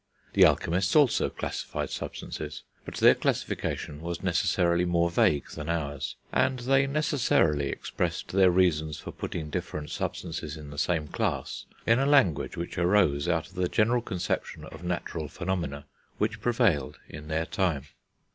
The alchemists also classified substances, but their classification was necessarily more vague than ours; and they necessarily expressed their reasons for putting different substances in the same class in a language which arose out of the general conceptions of natural phenomena which prevailed in their time.